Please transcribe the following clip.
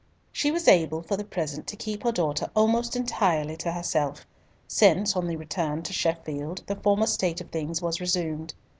She was able for the present to keep her daughter almost entirely to herself, since, on the return to Sheffield, the former state of things was resumed.